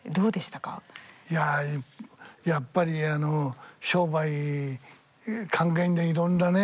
いややっぱりあの商売考えんだいろんなね。